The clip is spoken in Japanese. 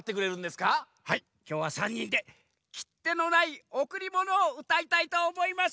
はいきょうは３にんで「切手のないおくりもの」をうたいたいとおもいます！